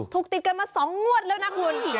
ติดกันมา๒งวดแล้วนะคุณ